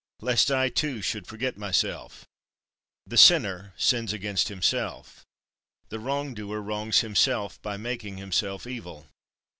lest I, too, should forget myself." 4. The sinner sins against himself. The wrong doer wrongs himself by making himself evil.